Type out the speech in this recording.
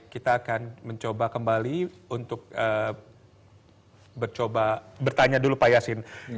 kita akan mencoba kembali untuk bertanya dulu pak yasin